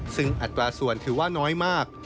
ซึ่งอัตราส่วนถือว่าน้อยมาก